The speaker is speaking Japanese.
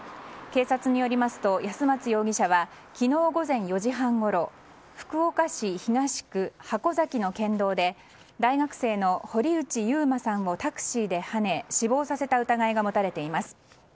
警察によりますと安松容疑者は昨日午前４時半ごろ福岡市東区箱崎の県道で大学生の堀内悠馬さんをタクシーではね死亡させた疑いが持たれています。